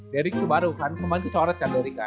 derek itu baru kan kemarin itu coret kan derek kan